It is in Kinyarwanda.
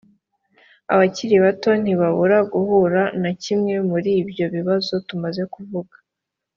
abakiri bato ntibabura guhura na kimwe muri ibyo bibazo tumaze kuvuga